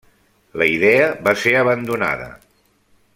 La idea va ser abandonada.